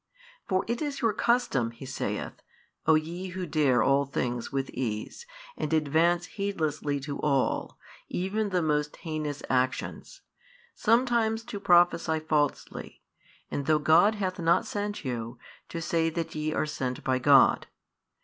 For it is your custom (He saith) O ye who dare all things with ease, and advance heedlessly to all, even the most heinous actions, sometimes to prophesy falsely, and though God hath not sent you, to say that ye are sent by God.